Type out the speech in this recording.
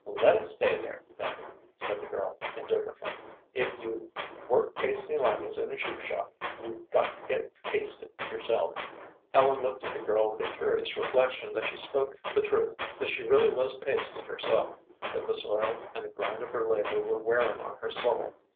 "Let it stay there, then," said the girl, indifferently. "If you work pasting linings in a shoe shop you've got to get pasted yourself." Ellen looked at the girl with a curious reflection that she spoke the truth, that she really was pasted herself, that the soil and the grind of her labor were wearing on her soul.